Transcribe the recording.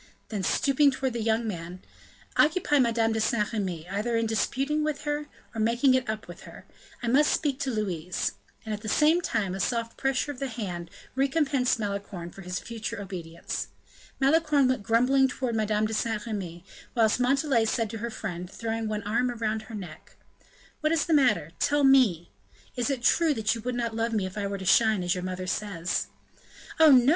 Then stooping towards the young man: "Occupy Madame de Saint Remy, either in disputing with her, or making it up with her; I must speak to Louise." And, at the same time, a soft pressure of the hand recompensed Malicorne for his future obedience. Malicorne went grumbling towards Madame de Saint Remy, whilst Montalais said to her friend, throwing one arm around her neck: "What is the matter? Tell me. Is it true that you would not love me if I were to shine, as your mother says?" "Oh, no!"